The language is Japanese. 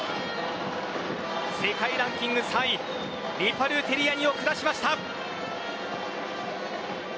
世界ランキング３位リパルテリアニを下しました。